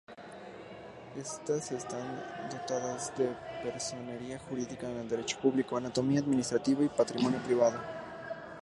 Estas están dotadas de personería jurídica de derecho público, autonomía administrativa y patrimonio privado.